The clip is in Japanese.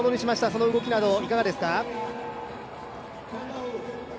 その動きなどいかがですか？